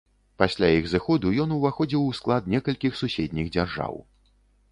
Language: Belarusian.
Пасля іх зыходу ён уваходзіў у склад некалькіх суседніх дзяржаў.